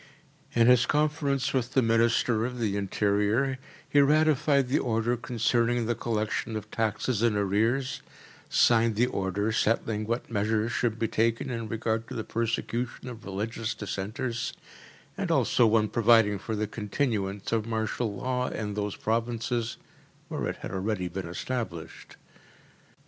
In his conference with the Minister of the Interior he ratified the order concerning the collection of taxes in arrears, signed the order settling what measures should be taken in regard to the persecution of religious dissenters, and also one providing for the continuance of martial law in those provinces where it had already been established.